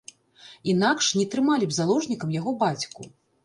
Інакш не трымалі б заложнікам яго бацьку.